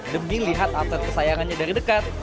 demi lihat atlet kesayangannya dari dekat